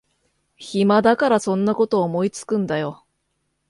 暇だからそんなこと思いつくんだよ